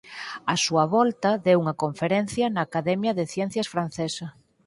Á súa volta deu unha conferencia na Academia de Ciencias Francesa.